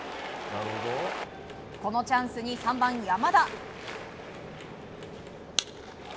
このチャンスに３番、山田。